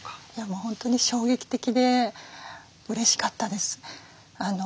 本当に衝撃的でうれしかったです。